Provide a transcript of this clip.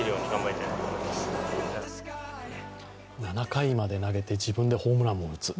７回まで投げて自分でホームランも打つ。